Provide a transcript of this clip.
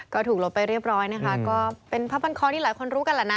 ก็ถูกลบไปเรียบร้อยนะคะก็เป็นผ้าพันคอที่หลายคนรู้กันแหละนะ